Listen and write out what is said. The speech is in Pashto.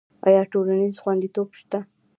آیا ټولنیز خوندیتوب شته؟